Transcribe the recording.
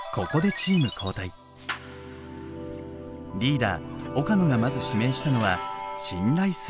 リーダー岡野がまず指名したのは信頼する仲間たち。